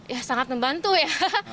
ya sangat membantu ya